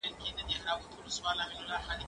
زه پاکوالي نه ساتم؟!